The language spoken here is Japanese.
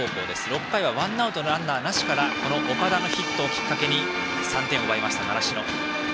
６回はワンアウトランナーなしから岡田のヒットをきっかけに３点を奪いました、習志野。